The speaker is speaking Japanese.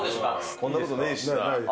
こんなことねえしさ。